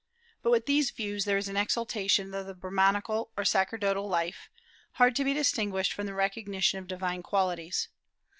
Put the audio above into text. But with these views there is an exaltation of the Brahmanical or sacerdotal life, hard to be distinguished from the recognition of divine qualities.